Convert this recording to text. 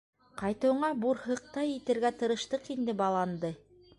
Ҡайтыуыңа бурһыҡтай итергә тырыштыҡ инде баланды!